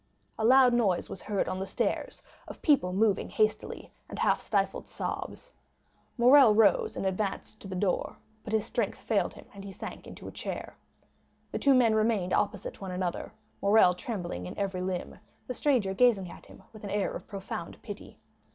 A loud noise was heard on the stairs of people moving hastily, and half stifled sobs. Morrel rose and advanced to the door; but his strength failed him and he sank into a chair. The two men remained opposite one another, Morrel trembling in every limb, the stranger gazing at him with an air of profound pity.